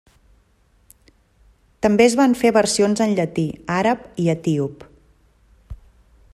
També es van fer versions en llatí, àrab i etíop.